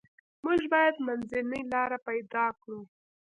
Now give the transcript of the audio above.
موږ باید منځنۍ لار پیدا کړو.